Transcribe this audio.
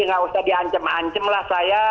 nggak usah di ancam ancam lah saya